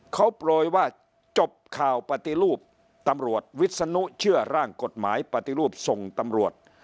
เขาโปรยว่าจบข่าวปฏิรูปตำรวจวิศนุเชื่อร่างกฎหมายปฏิรูปส่งตำรวจ